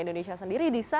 dan itu set poros easy